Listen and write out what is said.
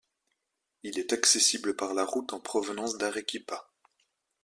Il est accessible par la route en provenance d'Arequipa.